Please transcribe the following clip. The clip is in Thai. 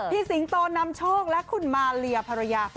สิงโตนำโชคและคุณมาเลียภรรยา